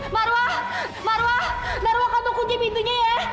marwah marwah marwah untuk kunci pintunya ya